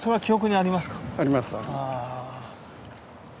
あります。